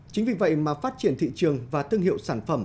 chính vì vậy mà phát triển thị trường và thương hiệu sản phẩm